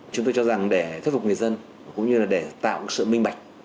chúng tôi cho rằng để thuyết phục người dân cũng như là để tạo sự minh bạch